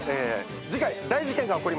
次回大事件が起こります。